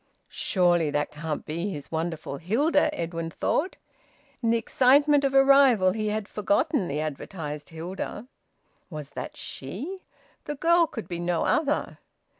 "Surely that can't be his wonderful Hilda!" Edwin thought. In the excitement of arrival he had forgotten the advertised Hilda. Was that she? The girl could be no other.